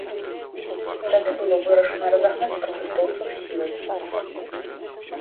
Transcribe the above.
Тады было вырашана разагнаць пратэстоўцаў сілай.